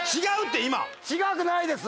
違くないです。